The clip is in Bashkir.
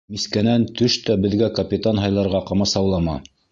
Мискәнән төш тә беҙгә капитан һайларға ҡамасаулама!